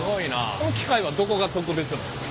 この機械はどこが特別なんですか？